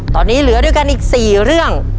ตอนนี้เหลือด้วยกันอีก๔เรื่อง